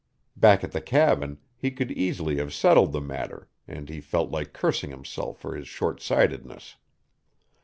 Back at the cabin he could easily have settled the matter, and he felt like cursing himself for his shortsightedness.